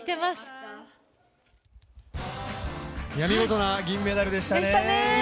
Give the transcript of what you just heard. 見事な銀メタルでしたね。